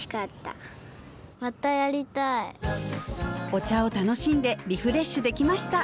お茶を楽しんでリフレッシュできました